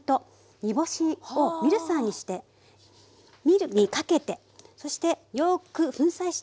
煮干しをミルサーにしてミルにかけてそしてよく粉砕してあります。